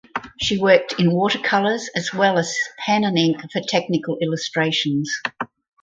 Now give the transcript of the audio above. She worked in watercolours as well as pen and ink for technical illustrations.